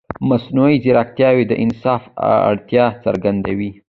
مصنوعي ځیرکتیا د انصاف اړتیا څرګندوي.